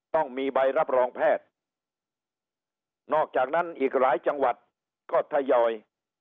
ต้องมีใบรับรองแพทย์นอกจากนั้นอีกหลายจังหวัดก็ทยอย